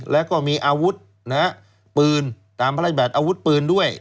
แล้วก็มีอาวุธนะฮะปืนตามพระราชบัติอาวุธปืนด้วย